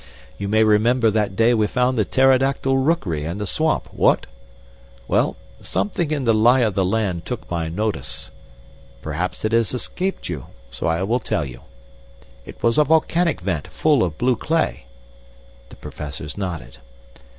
You may remember that day we found the pterodactyl rookery in the swamp what? Well, somethin' in the lie of the land took my notice. Perhaps it has escaped you, so I will tell you. It was a volcanic vent full of blue clay." The Professors nodded.